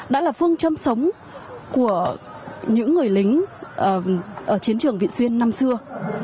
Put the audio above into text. đã là phương châm sống của những người lính ở chiến trường vị xuyên năm xưa